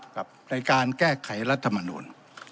ในการแก้ไขรัฐมนูล